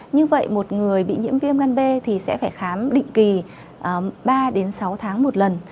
như vậy một người bị nhiễm viêm gan b thì sẽ phải khám định kỳ ba đến sáu tháng một lần